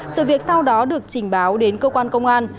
sự việc sau đó được trình báo đến cơ quan công an